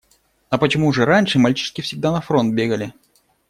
А почему же раньше мальчишки всегда на фронт бегали?